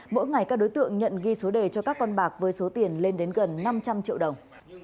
mỗi ngày các đối tượng nhận ghi số đề cho các con bạc với số tiền lên đến gần năm trăm linh triệu đồng